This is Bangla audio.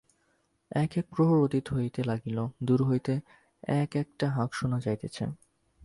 এক এক প্রহর অতীত হইতে লাগিল, দুর হইতে এক একটা হাঁক শুনা যাইতেছে।